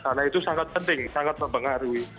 karena itu sangat penting sangat mempengaruhi